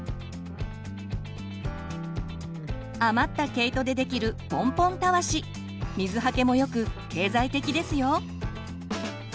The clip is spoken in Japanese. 余った毛糸でできるポンポンたわし水はけもよく経済的ですよ。